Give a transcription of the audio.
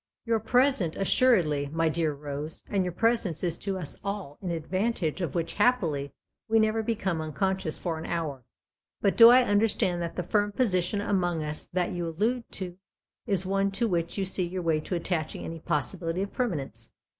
" You're present, assuredly, my dear Rose, and your presence is to us all an advantage of which, happily, we never become uncon scious for an hour. But do I understand that the firm position among us that you allude to is one to which you see your way to attaching any possibility of permanence